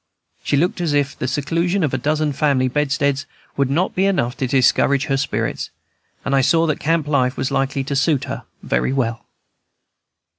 She looked as if the seclusion of a dozen family bedsteads would not be enough to discourage her spirits, and I saw that camp life was likely to suit her very well.